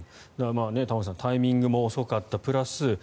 玉川さん、タイミングも遅かったプラス